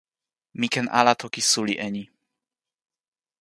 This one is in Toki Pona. mi ken ala toki suli e ni.